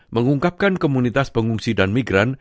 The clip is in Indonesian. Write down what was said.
mengungkapkan komunitas pengungsi dan migran